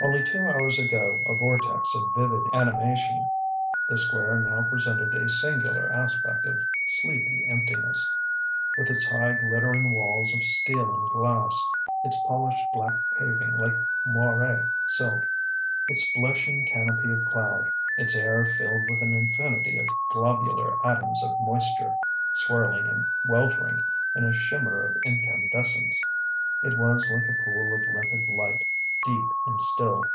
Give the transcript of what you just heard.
Only two hours ago a vortex of vivid animation, the Square now presented a singular aspect of sleepy emptiness. With its high glittering walls of steel and glass, its polished black paving like moiré silk, its blushing canopy of cloud, its air filled with an infinity of globular atoms of moisture, swirling and weltering in a shimmer of incandescence: it was like a pool of limpid light, deep and still.